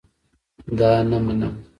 دا نه منم